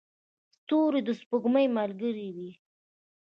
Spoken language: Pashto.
ستوري د سپوږمۍ ملګري دي.